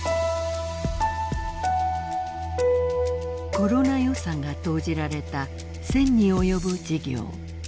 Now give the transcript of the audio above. コロナ予算が投じられた１，０００に及ぶ事業。